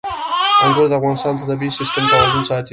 انګور د افغانستان د طبعي سیسټم توازن ساتي.